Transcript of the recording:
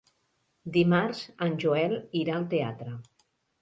Dimarts en Joel irà al teatre.